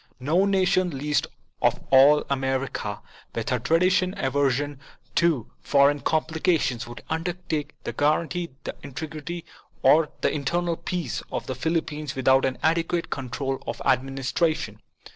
No nation, least of all America, with her traditional aversion to foreign complications, would undertake to guarantee the integrity or the internal peace of the Philippines without an adequate control of the administration.